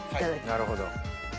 なるほど。